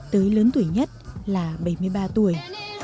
tới lớn tuổi nhất là bảy mươi ba tuổi